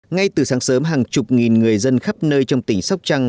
ngay từ sáng sớm hàng chục nghìn người dân khắp nơi trong tỉnh sóc trăng